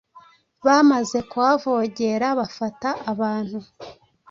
Bamaze kuhavogera bafata abantu,